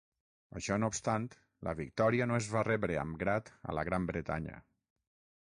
Això no obstant, la victòria no es va rebre amb grat a la Gran Bretanya.